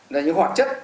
là những hoạt chất